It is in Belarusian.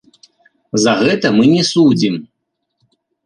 За гэта мы не судзім.